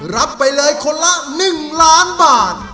รับไปเลยคนละ๑ล้านบาท